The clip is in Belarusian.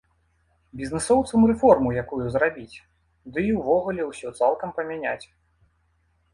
Бізнэсоўцам рэформу якую зрабіць, ды і ўвогуле ўсё цалкам памяняць.